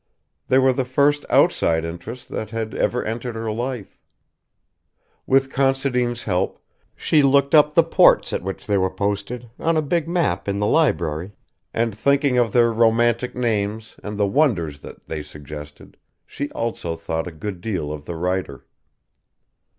They were the first outside interest that had ever entered her life. With Considine's help she looked up the ports at which they were posted on a big map in the library and thinking of their romantic names and the wonders that they suggested, she also thought a good deal of the writer.